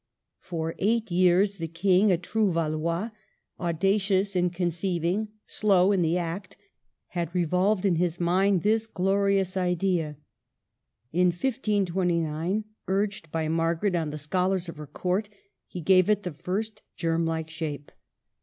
^ For eight years the King, a true Valois, auda cious in conceiving, slow in the act, had re volved in his mind this glorious idea. In 1529, urged by Margaret and the scholars of her court, he gave it the first germ like shape.